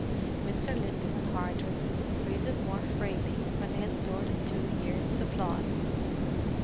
Mr. Linton and Hardress breathed more freely when they had stored a two years' supply.